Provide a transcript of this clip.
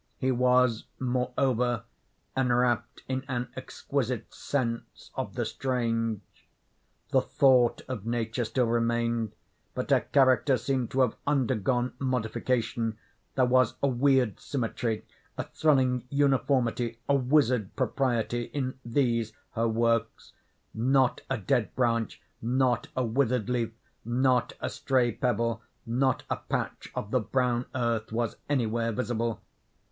He was, moreover, enwrapt in an exquisite sense of the strange. The thought of nature still remained, but her character seemed to have undergone modification, there was a weird symmetry, a thrilling uniformity, a wizard propriety in these her works. Not a dead branch—not a withered leaf—not a stray pebble—not a patch of the brown earth was anywhere visible.